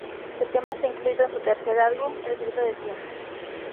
El tema está incluido en su tercer álbum, "El grito del tiempo".